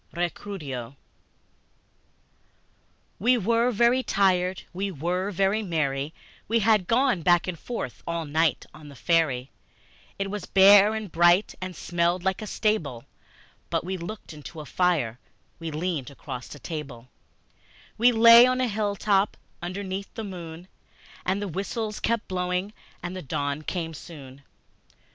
Recuerdo WE WERE very tired, we were very merry We had gone back and forth all night on the ferry. It was bare and bright, and smelled like a stable But we looked into a fire, we leaned across a table, We lay on a hilltop underneath the moon; And the whistles kept blowing, and the dawn came soon.